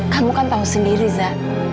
kamu kan tahu sendiri za